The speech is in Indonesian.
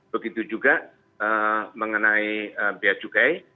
begitu juga mengenai beacukai